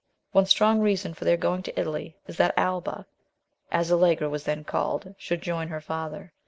One strong reason for their going to Italy is that Alba, as Allegra was then called, should join her father.